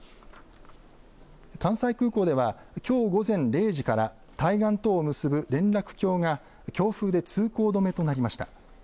関西空港ではきょう午前０時から対岸とを結ぶ連絡橋が強風で通行止めとなりました。